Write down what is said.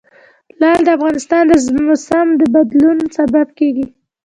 لعل د افغانستان د موسم د بدلون سبب کېږي.